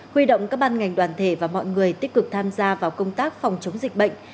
huy động các ban ngành đoàn thể và mọi người tích cực tham gia vào công tác phòng chống dịch bệnh